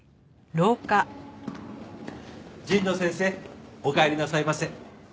神野先生おかえりなさいませ。